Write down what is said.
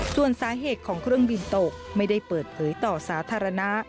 ส่วนสาเหตุของเครื่องบินตกไม่ได้เปิดเผยต่อสาธารณะ